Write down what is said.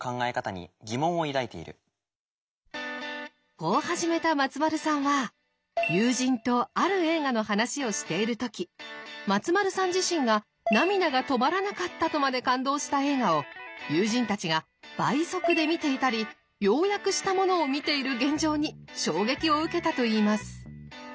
こう始めた松丸さんは友人とある映画の話をしている時松丸さん自身が涙が止まらなかったとまで感動した映画を友人たちが倍速で見ていたり要約したものを見ている現状に衝撃を受けたといいます。